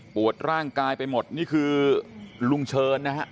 ร่างกายไปหมดนี่คือลุงเชิญนะฮะ